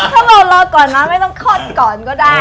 ถ้าเรารอก่อนนะไม่ต้องคลอดก่อนก็ได้